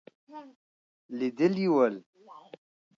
لیدلي ول.